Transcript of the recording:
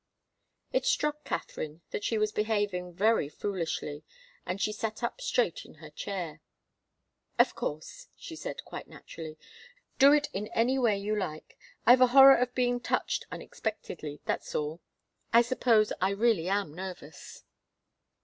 It struck Katharine that she was behaving very foolishly, and she sat up straight in her chair. "Of course," she said, quite naturally. "Do it in any way you like. I've a horror of being touched unexpectedly, that's all. I suppose I really am nervous."